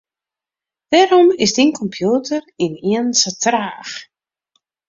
Wêrom is dyn kompjûter ynienen sa traach?